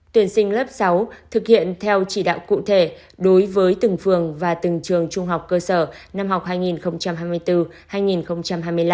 tuyển sinh lớp sáu thực hiện theo chỉ đạo cụ thể đối với từng phường và từng trường trung học cơ sở năm học hai nghìn hai mươi bốn hai nghìn hai mươi năm